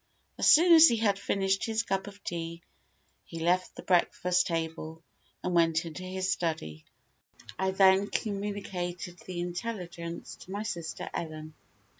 As soon as he had finished his cup of tea, he left the breakfast table, and went into his study. I then communicated the intelligence to my sister Ellen.